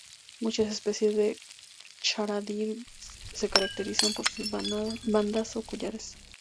Muchas especies de "Charadrius" se caracterizan por sus bandas o collares.